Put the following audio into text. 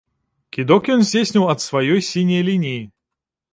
Кідок ён здзейсніў ад сваёй сіняй лініі!